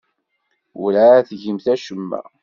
Werɛad tgimt acemma.